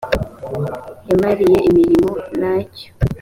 yampariye imirimo nta cyo